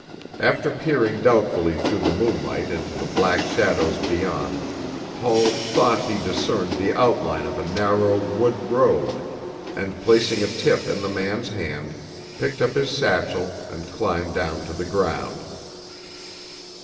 After peering doubtfully through the moonlight into the black shadows beyond, Paul thought he discerned the outline of a narrow wood road, and placing a tip in the man's hand, picked up his satchel and climbed down to the ground.